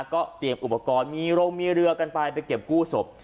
ก็เตรียมอุปกรณ์มีโรงมีเรือกันไปไปเก็บกู้ศพ